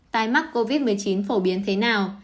tài mắc covid một mươi chín phổ biến thế nào